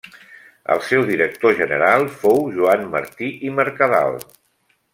El seu director general fou Joan Martí i Mercadal.